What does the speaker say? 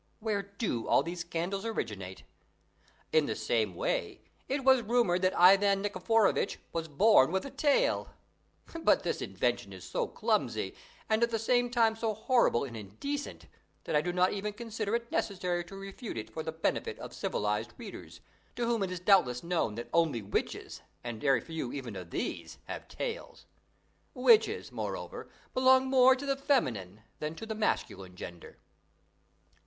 Where do all these scandals originate? In the same way it was rumoured that Ivan Nikiforovitch was born with a tail! But this invention is so clumsy and at the same time so horrible and indecent that I do not even consider it necessary to refute it for the benefit of civilised readers, to whom it is doubtless known that only witches, and very few even of these, have tails. Witches, moreover, belong more to the feminine than to the masculine gender.